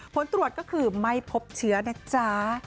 ผลตรวจก็คือไม่พบเชื้อนะจ๊ะ